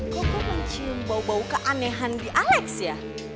kau kau mencium bau bau keanehan di alex ya